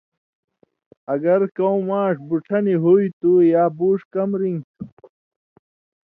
اگر کؤں ماݜ بُڇھہ نی ہُوئ تُھو یا بُوڇھ کم رِن٘گیۡ تُھو